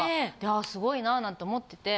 「ああすごいな」なんて思ってて。